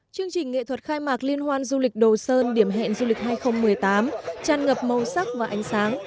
chương trình nghệ thuật khai mạc liên hoan du lịch đồ sơn điểm hẹn du lịch hai nghìn một mươi tám tràn ngập màu sắc và ánh sáng